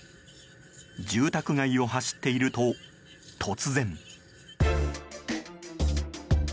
住宅街を走っていると、突然。